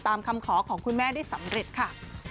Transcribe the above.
คำขอของคุณแม่ได้สำเร็จค่ะ